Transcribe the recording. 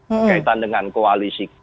berkaitan dengan koalisi